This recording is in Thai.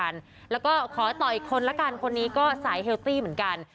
แล้วก็ขอต่ออีกคนละกันคนนี้ก็สายเฮลตี้เหมือนกัน